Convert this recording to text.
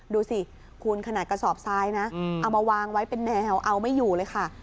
ดูสิคุณขนาดกระสอบซ้ายนะเอามาวางไว้เป็นแนวเอาไม่อยู่เลยค่ะ